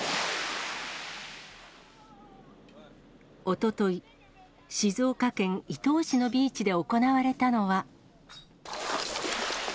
おととい、静岡県伊東市のビーチで行われたのは。